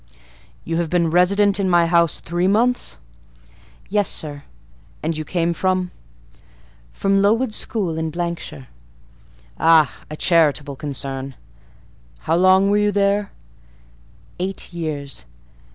"You have been resident in my house three months?" "Yes, sir." "And you came from—?" "From Lowood school, in ——shire." "Ah! a charitable concern. How long were you there?" "Eight years."